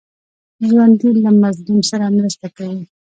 ژوندي له مظلوم سره مرسته کوي